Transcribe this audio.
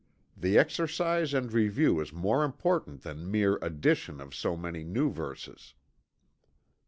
The exercise and review is more important than the mere addition of so many new verses.